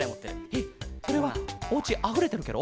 えっそれはおうちあふれてるケロ？